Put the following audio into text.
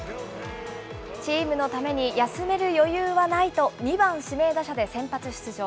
チームのために休める余裕はないと２番指名打者で先発出場。